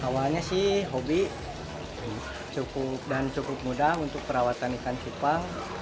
awalnya sih hobi cukup dan cukup mudah untuk perawatan ikan cupang